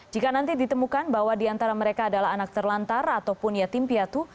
jika nanti ditemukan bahwa diantara mereka adalah anak terlantar ataupun yatim piatu